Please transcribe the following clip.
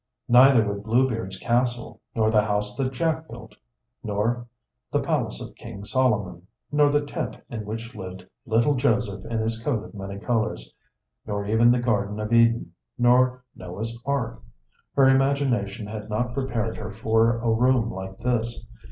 Neither would Bluebeard's Castle, nor the House that Jack Built, nor the Palace of King Solomon, nor the tent in which lived little Joseph in his coat of many colors, nor even the Garden of Eden, nor Noah's Ark. Her imagination had not prepared her for a room like this.